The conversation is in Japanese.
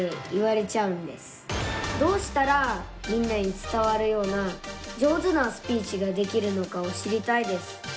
どうしたらみんなに伝わるような上手なスピーチができるのかを知りたいです。